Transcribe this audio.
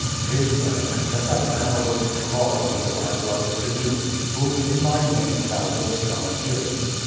" 'Tis well. Let that man await to morrow the arrival of the Tribune, wliom in my name thou wilt summon hither."